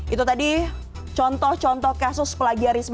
itu tadi contoh contoh kasus plagiarisme